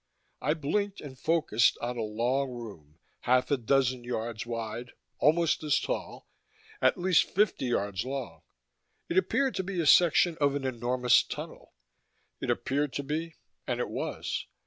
I blinked and focused on a long room, half a dozen yards wide, almost as tall, at least fifty yards long. It appeared to be a section of an enormous tunnel; it appeared to be, and it was.